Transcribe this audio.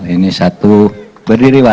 ini satu berdiriwan